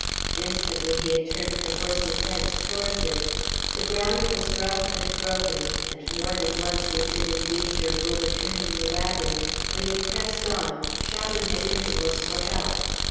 Instantly he had turned the horses' heads towards it. The ground was rough and broken, and more than once he had been in danger of overturning the wagon; but he had pressed on, shouting at intervals for help.